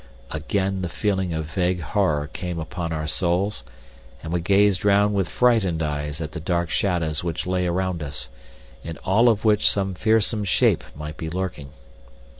Again the feeling of vague horror came upon our souls, and we gazed round with frightened eyes at the dark shadows which lay around us, in all of which some fearsome shape might be lurking.